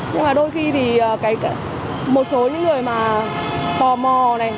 nhưng mà đôi khi thì một số những người mà tò mò này